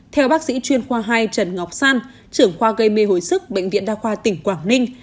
theo bác sĩ chuyên khoa hai trần ngọc san trưởng khoa gây mê hồi sức bệnh viện đa khoa tỉnh quảng ninh